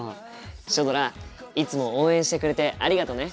シュドラいつも応援してくれてありがとね。